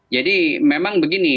jadi memang begini